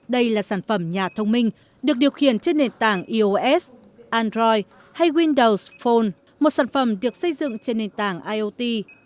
đây là sản phẩm nhà thông minh được điều khiển trên nền tảng ios android hay window sphone một sản phẩm được xây dựng trên nền tảng iot